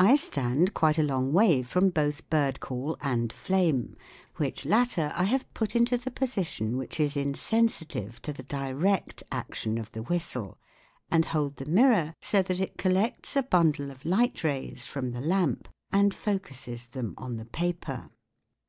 I stand quite a long way from both bird call and flame, which latter I have put into the position which is insensitive to the direct action of the whistle, and hold the mirror so that it collects a bundle of light rays from the lamp and focuses them on the paper.